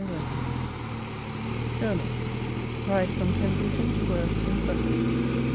COBBETT. JOURNAL: RIDE FROM KENSINGTON TO WORTH, IN SUSSEX.